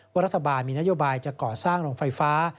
รัฐบาลมีนโยบายจะก่อสร้างโรงไฟฟ้า